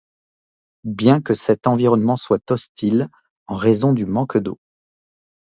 Bien que cet environnement soit hostile en raison du manque d'eau,